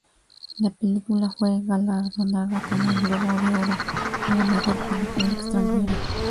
La película fue galardonada con el Globo de Oro a la mejor película extranjera.